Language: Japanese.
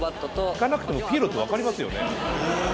聞かなくてもピエロって分かりますよね。